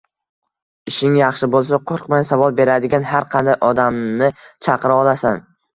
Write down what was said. Ishing yaxshi boʻlsa qoʻrqmay, savol beradigan har qanday odamni chaqira olasan.